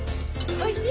おいしい？